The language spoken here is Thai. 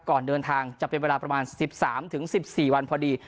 ก่อนเดินทางจะเป็นเวลาประมาณ๑๓๑๔วันพอดี